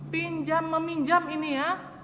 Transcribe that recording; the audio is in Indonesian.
pinjam meminjam ini ya